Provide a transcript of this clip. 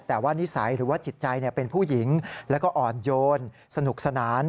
แต่ว่านิสัยหรือว่าจิตใจเป็นผู้หญิงแล้วก็อ่อนโยนสนุกสนาน